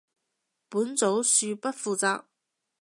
本組恕不負責